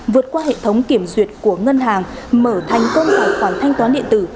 vượt qua hệ thống kiểm duyệt của ngân hàng mở thành công tài khoản thanh toán điện tử